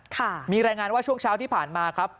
ค่ะมีรายงานว่าช่วงเช้าที่ผ่านมาครับ